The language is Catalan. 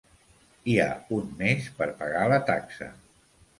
Hi ha un mes per pagar la taxa.